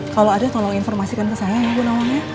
kalau ada tolong informasikan ke saya ya bu naung ya